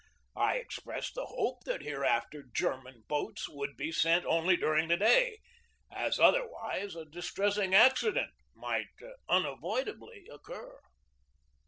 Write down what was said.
I expressed the hope that hereafter German boats would be sent only during the day, as otherwise a distressing accident might unavoidably occur.